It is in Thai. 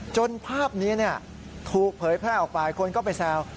จนภาพนี้ถูกเผยแพร่ออกไปคนก็ไปแซว